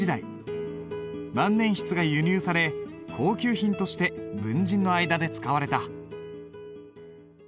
万年筆が輸入され高級品として文人の間で使われた。